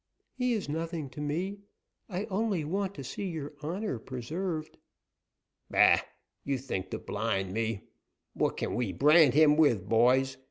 "He is nothing to me; I only want to see your honor preserved." "Bah! You think to blind me. What can we brand him with, boys?